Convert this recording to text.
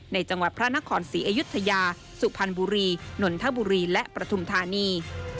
จังหวัดพระนครศรีอยุธยาสุพรรณบุรีนนทบุรีและปฐุมธานี